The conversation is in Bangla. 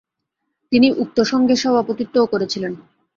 তিনি উক্ত সংঘের সভাপতিত্বও করেছিলেন।